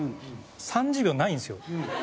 ３０秒ないんですよ。